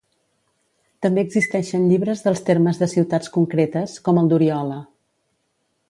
També existeixen llibres dels termes de ciutats concretes, com el d’Oriola.